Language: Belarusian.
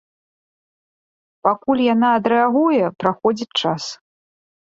Пакуль яна адрэагуе, праходзіць час.